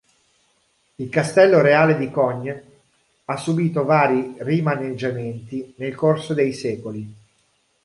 Il castello reale di Cogne ha subito vari rimaneggiamenti nel corso dei secoli.